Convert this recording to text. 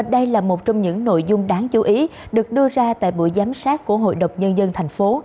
đây là một trong những nội dung đáng chú ý được đưa ra tại buổi giám sát của hội độc nhân dân thành phố